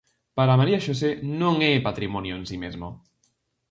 Para María Xosé "non é patrimonio en si mesmo".